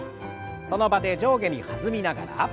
その場で上下に弾みながら。